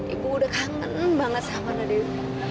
ibu udah kangen banget sama nadeo